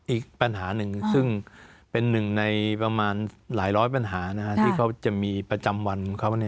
อีกปัญหาหนึ่งซึ่งเป็นหนึ่งในประมาณหลายร้อยปัญหาที่เขาจะมีประจำวันของเขา